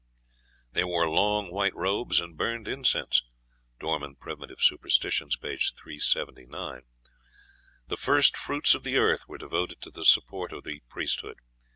They wore long white robes and burned incense. (Dorman, "Prim. Superst.," p. 379.) The first fruits of the earth were devoted to the support of the priesthood.